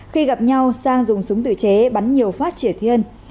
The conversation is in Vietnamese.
khi gặp nhau sang dùng súng tự chế bắn nhiều phát triển thiên